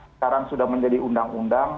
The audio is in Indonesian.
sekarang sudah menjadi undang undang